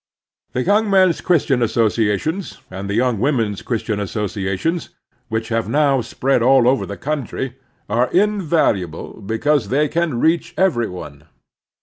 The Yoimg Men's Christian Associations and the Young Women's Christian Associations, which have now spread over all the cotmtry, are invalu able because they can reach every one.